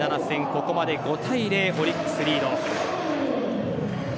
ここまで５対０オリックスリード。